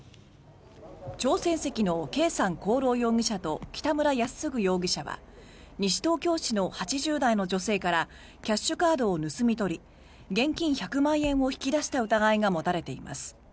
朝鮮籍のケイサン・コウロウ容疑者と北村泰嗣容疑者は西東京市の８０代の女性からキャッシュカードを盗み取り現金１００万円を引き出した疑いが持たれています。